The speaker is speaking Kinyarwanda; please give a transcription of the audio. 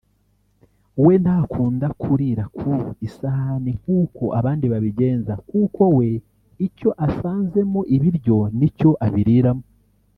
we ntakunda kurira ku isahani nkuko abandi babigenza kuko we icyo asanzemo ibiryo ni cyo abiriramo